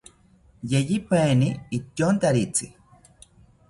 Yeyipaeni ityontaritzi